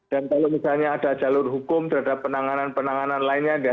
dan kalau misalnya ada jalur hukum terhadap penanganan penanganan lainnya